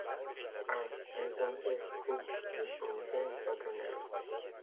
Ah! insensé ! fou ! dit enfin Paganel.